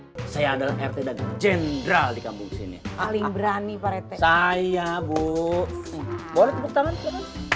hai saya adalah rt dan jendral dikampung sini paling berani pak rete saya bu